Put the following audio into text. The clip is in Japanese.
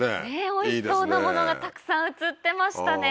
おいしそうなものがたくさん映ってましたね。